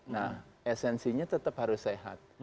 nah esensinya tetap harus sehat